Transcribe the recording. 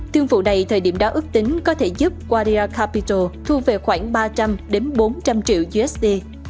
thương vụ này thời điểm đó ước tính có thể giúp gardia capital thu về khoảng ba trăm linh bốn trăm linh triệu usd